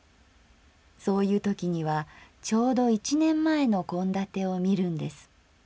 そういうときにはちょうど一年前の献立を見るんです。